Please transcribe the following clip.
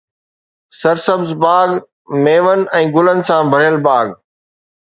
سرسبز باغ، ميون ۽ گلن سان ڀريل باغ